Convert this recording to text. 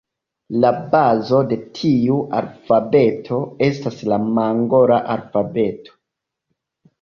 La bazo de tiu alfabeto estas la mongola alfabeto.